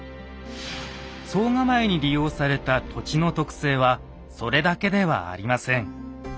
総構に利用された土地の特性はそれだけではありません。